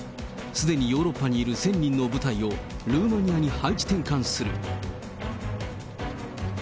すでにヨーロッパにいる１０００人の部隊をルーマニアに配置転換する。